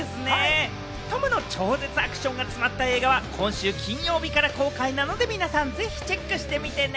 トムの超絶アクションが詰まった映画は今週金曜日から公開なので、皆さんぜひチェックしてみてね。